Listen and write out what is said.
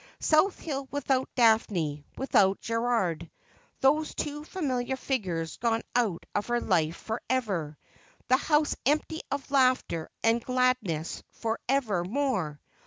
South Bill without Daphne, without Gerald — those two familiar figures gone out of her life for ever ; the house empty of laughter and gladness for ever more